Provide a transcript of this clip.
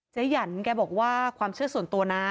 หยันแกบอกว่าความเชื่อส่วนตัวนะ